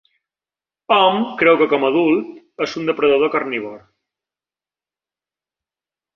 Hom creu que, com a adult, és un depredador carnívor.